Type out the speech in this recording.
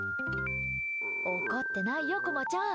怒ってないよ、こまちゃん。